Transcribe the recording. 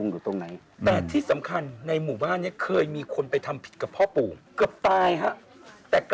ดวงไม้หน่อยภาพแหลมหนึ่งกับพวกงาน